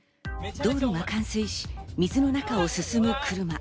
道路が冠水し、水の中を進む車。